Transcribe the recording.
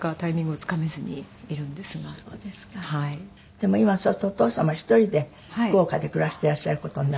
でも今そうするとお父様１人で福岡で暮らしていらっしゃる事になるの？